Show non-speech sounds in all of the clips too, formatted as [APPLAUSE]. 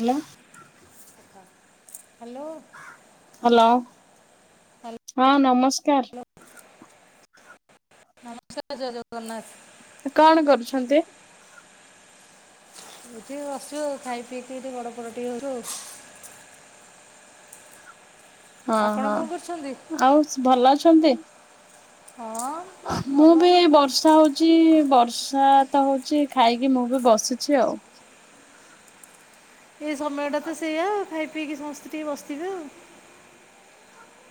Hello. Hello. Hello hello ହଁ ନମସ୍କାର। ନମସ୍କାର ଜୟ ଜଗନ୍ନାଥ। କଣ କରୁଛନ୍ତି? ଏଇଠି ବସିଚୁ ଆଉ ଖାଇ ପିଇକି ଟିକେ ଗଡ ପଡ ଟିକେ ହଉଚୁ ଆଉ। ହଁ ଆପଣ କଣ କରୁଛନ୍ତି ହଁ ଆଉ ଭଲ ଅଛନ୍ତି? ହଁ। ମୁଁ ଭଲ ବି ମନ୍ଦ ବର୍ଷା ହଉଛ ହଉଚି ବର୍ଷା ତ ହଉଚି ଖାଇକି ମୁଁ ବି ବସିଛି ଆଉ। ଏଇ ସମୟ ଟା ତ ସେଇୟଆ ଖାଇ ପିଇକି ସମସ୍ତେ ଟିକେ ବସିଥିବେ ଆଉ।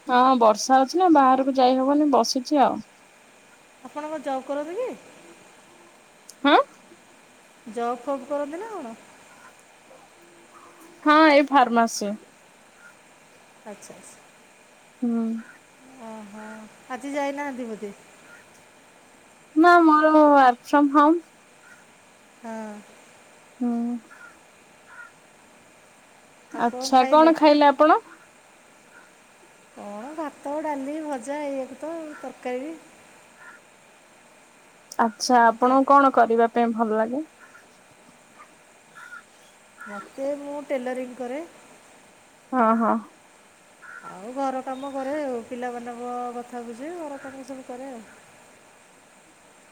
ହଁ ବର୍ଷା ହଉଚି ନା ବାହାରକୁ ଯାଇହବନି ବସିଚି ଆଉ। ଆପଣଙ୍କକଣ ଜବ କରନ୍ତି କି? ହାଁ? ଜବ୍ ଫବ୍ କରନ୍ତି ନା କଣ? ହଁ ଏଇ ଫାର୍ମାସି। ଆଚ୍ଛା ଆଚ୍ଛା। ହୁଁ। ଓହୋ ଆଜି ଯାଇନାହାନ୍ତି ବୋଧେ? ନା ମୋର ୱାର୍କ ଫ୍ରମ୍ ହୋମ। ହଁ। ହୁଁ। ଆଚ୍ଛା କଣ ଖାଇଲେ ଆପଣ? ହଁ ଭାତ ଡାଲି ଭଜା ଏଇଆକୁ ତ ତରକାରୀ। ଆଚ୍ଛା ଏମିତିଆ ଆପଣଙ୍କୁ କଣ କରିବା ପାଇଁ ଭଲ ଲାଗେ? ମୋତେ ମୁଁ ଟେଲରିଂ କରେ। ହଁ ହଁ। ଆଉ ଘର କାମ କରେ ଆଉ ପିଲାମାନଙ୍କ କଥା ବୁଝେ ଘର କାମ ସବୁ କରେ ଆଉ।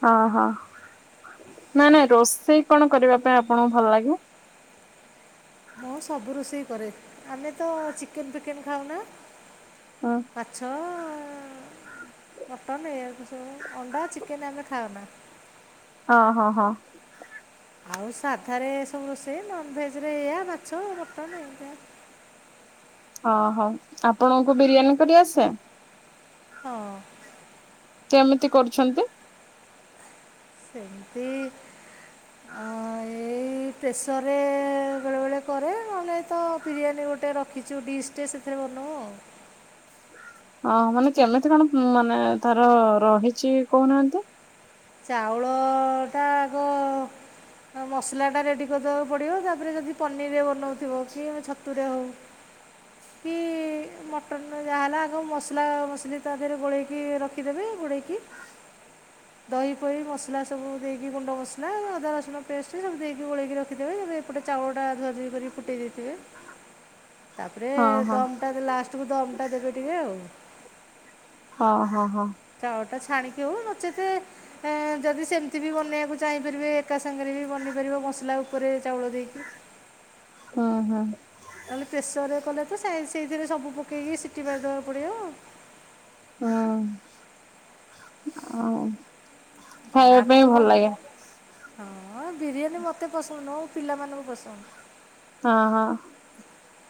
ଅ ହଁ ନାଇଁ ନାଇଁ ରୋଷେଇ କଣ କରିବା ପାଇଁ ଆପଣଙ୍କୁ ଭଲ ଲାଗେ? ମୁଁ ସବୁ ରୋଷେଇ କରେ, ଆମେ ତ ଚିକେନ ଫିକେନ୍ ଖାଉନା। ହଁ। ମାଛ, ମଟନ୍ ଏୟା କୁ ସବୁ ଅଣ୍ଡା, ଚିକେନ୍ ଆମେ ଖାଉନା। ଅ ହଁ ହଁ। ଆଉ ସାଧାରେ ସବୁ ରୋଷେଇ, ନନ ଭେଜ ରେ ଏୟା ମାଛ ମଟନ ଏମତିଆ। ଓହୋ ଆପଣଙ୍କୁ ବିରିୟାନୀ କରି ଆସେ? ହଁ। କେମିତି କରୁଛନ୍ତି? କେମତି ଏଇ ପ୍ରେସରରେ ବେଳେବେଳେ କରେ, ନହେଲେ ତ ବିରିୟାନୀ ଗୋଟେ ରଖ ଛୁ ଡିସ୍ ଟେ ସେଥିରେ ବନଉ ଆଉ। ଓ ମାନେ କେମିତି କଣ ମାନେ ତାର ରହିଛି କହୁନାହାନ୍ତି। ଚାଉଳଟା ଆଗ ଆଉ ମସଲାଟା ରେଡ଼ି କରିଦେବାକୁ ପଡ଼ିବ, ତାପରେ ଯଦି ପନିରରେ ବନାଉଥିବ କି ଆମ ଛତୁରେ ହେଉ। କି ମଟନ୍ ଯାହା ହେଲା, ଆଗକୁ ମସଲା ମସଲି ତା ଦେହରେ ଗୋଳେଇକି ରଖିଦେବି ଗୋଳେଇକି ଦହି ପହି ମସଲା ସବୁ ଦେଇକି ଗୁଣ୍ଡ ମସଲା ଅଦା ରସୁଣ ପେଷ୍ଟ ସବୁ ଦେଇକି ଗୋଲେଇକି ରଖିଦେବେ ଏବେ ଏପଟେ ଚାଉଳ ଟା ଧୁଆଧୁଇ କରିକି ଫୁଟେଇ ଦେଇଥିବେ। ତାପରେ ହଁ ହଁ ଦମଟା ଦେଲା ଲାଷ୍ଟକୁ ଦମ ଟା ଦେବେ ଟିକେ ଆଉ। ହଁ ହଁ ହଁ। ଚାଉଳ ଟା ଛାଣିକି ହଉ ନଚେତ ଯଦି ସେମିତି ବି ବନେଇବାକୁ ଚାହିଁପାରିବେ ଏକା ସାଙ୍ଗରେ ବି ବନେଇ ପାରିବ ମସଲା ଉପରେ ଚାଉଳ ଦେଇକି। ହଁ ହଁ। ନହେଲେ ପ୍ରେସର ରେ କଲେ ତ ସେଇଥିରେ ସବୁ ପକେଇକି ସିଟି ମାରିଦବାକୁ ପଡ଼ିବ ଆଉ। ହୁଁ ଆ ଖାଇବା ପାଇଁ ଆପଣଙ୍କ ଭଲ ଲାଗେ। ହଁ ବିରିୟାନୀ ମୋତେ ପସନ୍ଦ ନୁହଁ, ମୋ ପିଲାମାନଙ୍କୁ ପସନ୍ଦ। ହଁ ହଁ।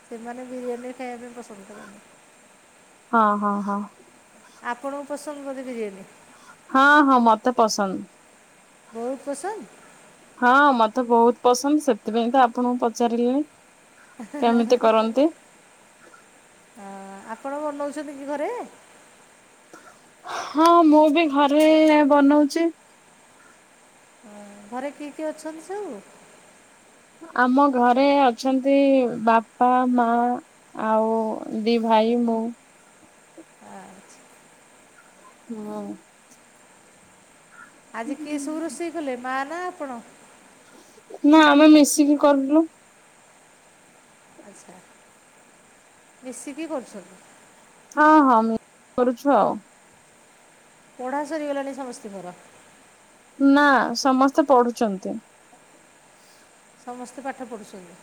ସେମାନେ ବିରିୟାନୀ ଖାଇବା ପାଇଁ ପସନ୍ଦ କରନ୍ତି। ହଁ ହଁ ହଁ। ଆପଣଙ୍କୁ ପସନ୍ଦ ବୋଧେ ବିରିୟାନୀ? ହଁ ହଁ ମତେ ପସନ୍ଦ। ବହୁତ ପସନ୍ଦ? ହଁ ମତେ ବହୁତ ପସନ୍ଦ ସେଥିପାଇଁ ତ ଆପଣଙ୍କୁ ପଚାରଲି। ଆପଣ ବନଉଛନ୍ତି କି ଘରେ? ହଁ ମୁଁ ବି ଘରେ ବନଉଛି। ଘରେ କିଏ କିଏ ଅଛନ୍ତି ସବୁ? ଆମ ଘରେ ଅଛନ୍ତି ବାପା ମା ଆଉ ଦି ଭାଇ ମୁଁ। ଆଛା। ହଁ। ଆଜି କିଏ ସବୁ ରୋଷେଇ କଲେ ମା ନା ଆପଣ? ନା ଆମେ ମିଶିକି କଲୁ। ଆଛା, ମିଶିକି କରୁଛନ୍ତି। ହଁ ହଁ ମି କରୁଛୁ ଆଉ। ପଢା ସରିଗଲାଣି ସମସ୍ତିଙ୍କର? ନା ସମସ୍ତେ ପଢୁଛନ୍ତି। ସମସ୍ତେ ପାଠ ପଢ଼ୁଛନ୍ତି?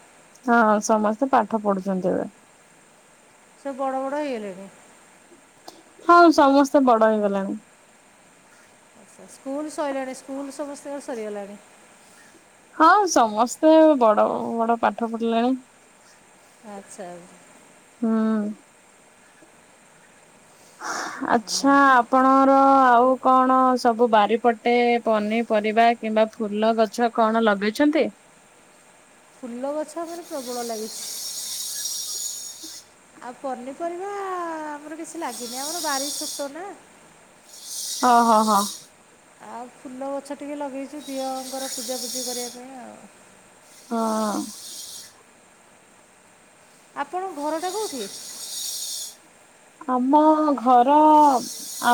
ହଁ ସମସ୍ତେ ପାଠ ପଢୁଛନ୍ତି ଏ। ସେ ବଡ଼ ବଡ଼ ହେଇଗଲେଣି? ହଁ ସମସ୍ତେ ବଡ ହେଇଗଲାଣି। ତ ସ୍କୁଲ ସଇଲାଣି ସ୍କୁଲ ସମସ୍ତଙ୍କ ସରିଗଲାଣି। ହଁ ସମସ୍ତେ ବଡ ବଡ ପାଠ ପଢିଲେଣି। ଆଚ୍ଛା। ହୁଁ। ଆଛା ଆପଣ ଆଉ କଣ ସବୁ ବାରିପଟେ ପନିପରିବା କିମ୍ବା ଫୁଲଗଛ କଣ ଲଗେଇଛନ୍ତି? ଫୁଲ ଗଛ ଆମର ପ୍ରବଳ ଲାଗିଛି। ଆଉ ପନିପରିବା ଆମର କିଛି ଲାଗିନି ଆମର ବାରି ଛୋଟ ନା। ଅ ହ ହ। ଆଉ ଫୁଲ ଗଛ ଟିକେ ଲଗେଇଛୁ ଦିଅଙ୍କର ପୂଜାପୂଜି କରିବା ପାଇଁ ଆଉ ହଁ। ଆପଣଙ୍କ ଘରଟା କୋଉଠି? ଆମ ଘର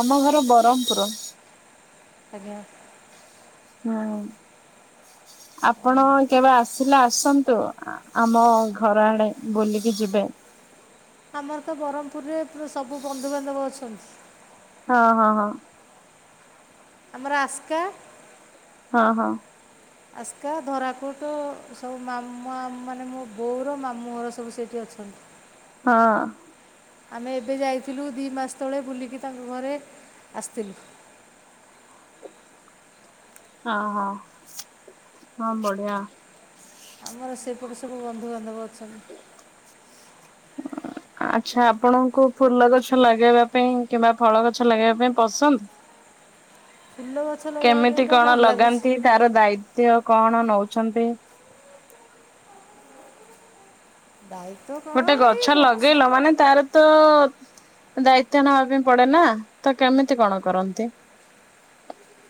ଆମ ଘର ବରମପୁର। ଆଜ୍ଞା। ହଁ। ହ [INAUDIBLE] ଆପଣ କେବେ ଆସିଲେ ଆସନ୍ତୁ ଆମ ଘରଆଡେ ବୁଲିକି ଯିବେ? ଆମର ତ ବରମପୁରରେ ସବୁ ବନ୍ଧୁବାନ୍ଧବ ଅଛନ୍ତି। ହଁ ହଁ ହଁ। ଆମର ଆସ୍କା। ହଁ ହଁ। ଆସ୍କା ଧରାକୁଟ ସବୁ ମାମା ମାନେ ମୋ ବୋଉର ମାମୁଁ ଘର ସବୁ ସେଇଠି ଅଛନ୍ତି। [INAUDIBLE] ହଁ। ଆମେ ଏବେ ଯାଇଥିଲୁ ଦି ମାସ ତଳେ ବୁଲିକି ତାଙ୍କ ଘରେ ଆସିଥିଲୁ। ହଁ ହଁ ବଢିଆ। ଆମର ସେପଟେ ସବୁ ବନ୍ଧୁବାନ୍ଧବ ଅଛନ୍ତି। ଆଚ୍ଛା ଆପଣଙ୍କୁ ଫୁଲଗଛ ଲଗେଇବା ପାଇଁ କିମ୍ବା ଫଳଗଛ ଲଗେଇବା ପାଇଁ ପସନ୍ଦ? ଫୁଲ ଲଗାଇବା କେମିତି ପାଇଁ ତ କଣ ଭଲ ଲାଗୁଛି ଲଗାନ୍ତି ତାର ଦାୟିତ୍ୱ କଣ ନଉଛନ୍ତି? ଦାୟିତ୍ବ। ଗୋଟେ ଗଛ ଲଗେଇଲ ମାନେ ତାର ତ ଦାୟିତ୍ବ ନେବା ପାଇଁ ପଡେନା ତ କେମିତି କଣ କରନ୍ତି?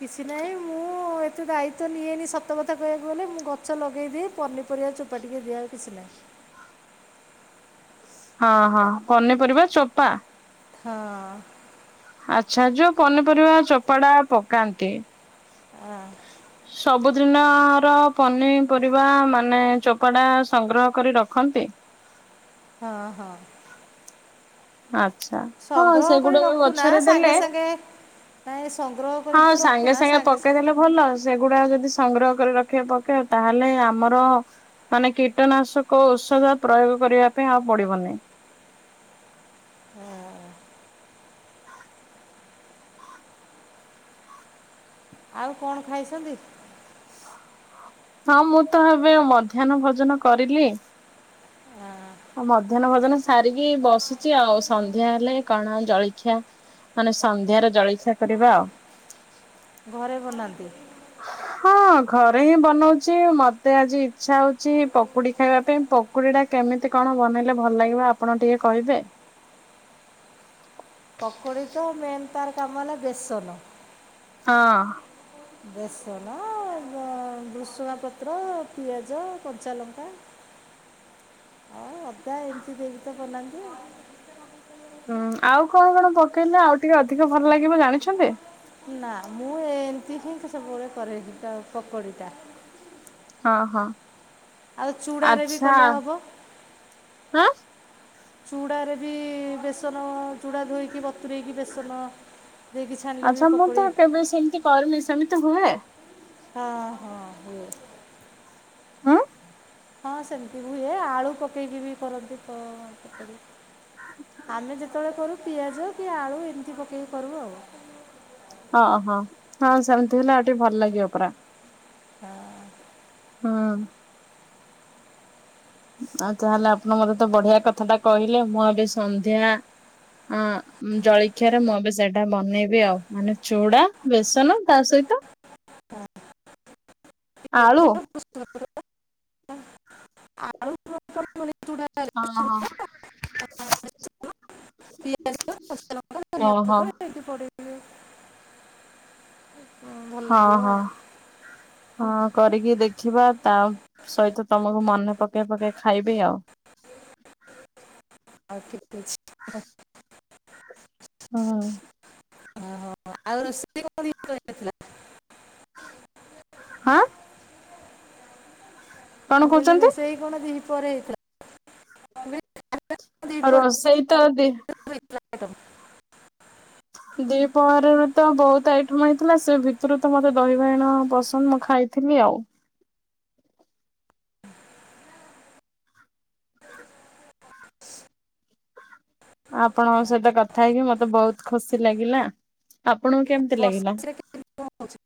କିଛି ନାହିଁ ମୁଁ ଏତେ ଦାୟିତ୍ୱ ନିଏନି ସତ କଥା କହିବାକୁ ଗଲେ ମୁଁ ଗଛ ଲଗେଇଦିଏ ପନିପରିବା ଚୋ ଚୋପା ଟିକେ ଦିଆହୁଏ କିଛିନାହିଁ। ହଁ ହଁ ପନିପରିବା ଚୋପା। ହଁ। ଆଛା ଯୋଉ ପନିପରିବା ଚୋପାଟା ପକାନ୍ତି। ଆଁ। ସବୁଦିନର ପନିପରିବା ମାନେ ଚୋପାଟା ସଂଗ୍ରହ କରି ରଖନ୍ତି। ହଁ ହଁ। ଆଚ୍ଛା ହଁ ସଂଗ୍ରହ କରି ସେଗୁଡାକ ରଖୁନା ଗଛରେ ଦେଲେ ସାଙ୍ଗେ ସାଙ୍ଗେ ନାଇଁ ସଂଗ୍ରହ ହଁ କରିତ ସାଙ୍ଗେ ରଖୁନା ସାଙ୍ଗେ ସାଙ୍ଗ୍ ପକେଇଦେଲେ ଭଲ ସେଗୁଡା ଯଦି ସଂଗ୍ରହ କରି ରଖିବା ପକେଇ ତାହେଲେ ଆମର ମାନେ କୀଟନାଶକ ଔଷଧ ପ୍ରୟୋଗ କରିବା ପାଇଁ ଆଉ ପଡିବନି। ହ [INAUDIBLE] ଆଉ କଣ ଖାଇଛନ୍ତି? ହଁ ମୁଁ ତ ଏବେ ମଧ୍ୟାହ୍ନ ଭୋଜନ କରିଲି। ଆ, ମୁଁ ମଧ୍ୟାହ୍ନ ଭୋଜନ ସାରିକି ବସିଚି ଆଉ ସନ୍ଧ୍ୟା ହେଲେ କଣ ଜଳଖିଆ ମାନେ ସନ୍ଧ୍ୟାର ଜଳିଖିଆ କରିବା ଆଉ। ଘରେ ବନାନ୍ତି? ହଁ ଘରେ ହିଁ ବନଉଛି ମତେ ଆଜି ଇଚ୍ଛା ହଉଛି ପକୁଡ଼ି ଖାଇବା ପାଇଁ ପ ପକୁଡ଼ି ଟା କେମିତି କଣ ବନେଇଲେ ଭଲ ଲାଗିବ ଆପଣ ଟିକେ କହିବେ? ପକୁଡ଼ି ତ ମେନ୍ ତାର କାମ ହେଲା ବେସନ। ହଁ। ବେସନ ବ ବୃଷୁଙ୍ଗା ପତ୍ର, ପିଆଜ, କଞ୍ଚାଲଙ୍କା ପ୍ରାୟେ ଏମିତି ଦେଇକି ତ ବନାନ୍ତି ଆଉ। ହୁଁ ଆଉ କଣ କଣ ପକେଇଲେ ଆଉ ଟିକେ ଅଧିକ ଭଲ ଲାଗିବ ଜାଣିଛନ୍ତି? ନା ମୁଁ ଏମିତି ହିଁ ସବୁବେଳେ କରେ ବି ତ ପକୋଡ଼ିଟା। ହଁ ହଁ ଆଉ ଚୂଡ଼ାରେ ବି ଆଚ୍ଛା କଲେ ହବ ଆଁ। ଚୁଡ଼ାରେ ବି ବେସନ ଚୁଡ଼ା ଧୋଇକି ବତୁରେଇକି ବେସନ ଦେଇକି ଛାଣିଲେ ବି ଆଚ୍ଛା ମୁଁ ପକୋଡ଼ି ତ କେବେ ସେମିତି କରିନି ସେମିତି ହୁଏ? ହଁ ହଁ ହୁଏ। ଆଁ। ହଁ ସେମିତି ହୁଏ ଆଳୁ ପକେଇକି ବି କରନ୍ତି ପ ପକୁଡ଼ି। ଆମେ ଯେତେବେଳେ କରୁ ପିଆଜ କି ଆଳୁ ଏମିତି ପକେଇକି କରୁ ଆଉ। ଓହୋ ହଁ ସେମତି ହେଲେ ଆଉ ଟିକେ ଭଲଲାଗିବ ପରା। ହଁ। ହୁଁ। ଆଉ ତାହେଲେ ଆପଣ ମତେ ତ ବଢିଆ କଥାଟା କହିଲେ ମୁଁ ଏବେ ସନ୍ଧ୍ୟା ଅଁ ଜଳଖିଆରେ ମୁଁ ଏବେ ସେଇଟା ବନେଇବି ଆଉ ମାନେ ଚୁଡା, ବେସନ, ତା ସହିତ ଆଳୁ। [UNINTELLIGIBLE] [UNINTELLIGIBLE] ଚୁଡ଼ା ଚୁଡ଼ା ହଁ। ପିଆଜ ଓହୋ। କିଛି ପଡ଼ି ଭଲ ହଁ ଲାଗିବ ହଁ। ହଁ କରିକି ଦେଖିବା ତା ସହିତ ତମକୁ ମନେ ପକେଇ ପକେଇ ଖାଇବି ଆଉ। ଆ ଠିକ୍ ଅଛି। ହୁଁ। ଓହୋ ଆଉ ରୋଷେଇ କଣ ହା କଣ ମୁଁ କହଲି କହୁଛନ୍ତି? ରୋଷେଇ କଣ ଦିହିପହରେ ହେଇଥିଲା? ମୁଁ କହିଲି ଖାଇବା କ'ଣ ଆଉ ଦ୍ୱିପହରେ ରୋଷେଇ ତ ଦି [UNINTELLIGIBLE] ଦିପହରରେ ତ ବୋହୁତ ଆଇଟମ୍ ହେଇଥିଲା ସେ ଭିତରୁ ତ ମତେ ଦହି ବାଇଗଣ ପସନ୍ଦ ମୁଁ ଖାଇ ଥିଲି ଆଉ। ଆପଣଙ୍କ ସହିତ କଥା ହେଇକି ମତେ ବୋହୁତ ଖୁସି ଲାଗିଲା ଆପଣଙ୍କୁ କେମତି ଲାଗିଲା? ବର୍ଷାରେ [UNINTELLIGIBLE]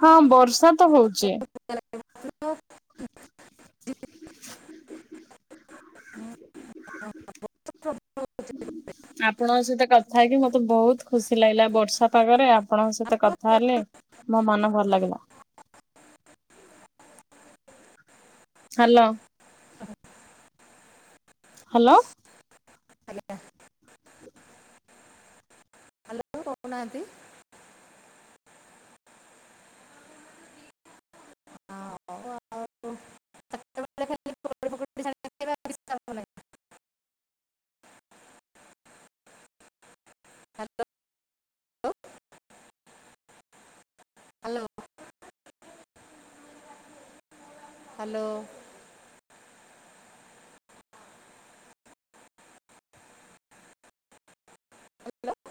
ହଁ ବର୍ଷା ତ ହୋଉଚି। [UNINTELLIGIBLE] ପ୍ରବଳ ଆପଣଙ୍କ ସହିତ କଥା ହେଇକି ମତେ ବୋହୁତ ଖୁସି ଲାଗିଲା ବର୍ଷା ପାଗରେ ଆପଣଙ୍କ ସହିତ କଥା ଗରମ, ହେଲେ ମୋ ମନ ଭଲ ଲାଗିଲା। ହ୍ୟାଲୋ। ହାଲୋ। ଆଜ୍ଞା କି କହୁନାହାନ୍ତି? [UNINTELLIGIBLE] [UNINTELLIGIBLE] [UNINTELLIGIBLE] ହା ଲୋ। ହାଲୋ। ହାଲୋ। ହା ଲୋ।